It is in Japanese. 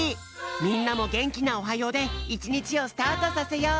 みんなもげんきな「おはよう」でいちにちをスタートさせよう！